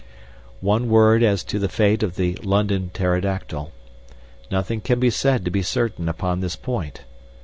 One word as to the fate of the London pterodactyl. Nothing can be said to be certain upon this point.